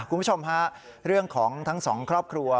คุณผู้ชมฮะเรื่องของทั้งสองครอบครัว